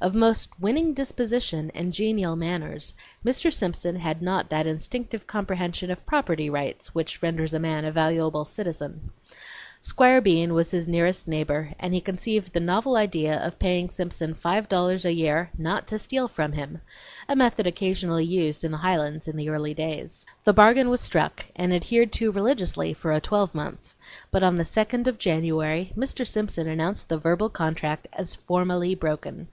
Of most winning disposition and genial manners, Mr. Simpson had not that instinctive comprehension of property rights which renders a man a valuable citizen. Squire Bean was his nearest neighbor, and he conceived the novel idea of paying Simpson five dollars a year not to steal from him, a method occasionally used in the Highlands in the early days. The bargain was struck, and adhered to religiously for a twelve month, but on the second of January Mr. Simpson announced the verbal contract as formally broken.